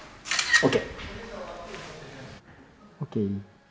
ＯＫ。